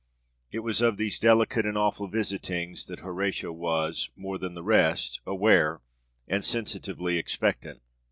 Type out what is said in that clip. It was of these delicate and awful visitings that Horatio was, more than the rest, aware and sensitively expectant.